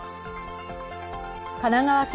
神奈川県